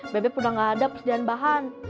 bebep udah nggak ada persediaan bahan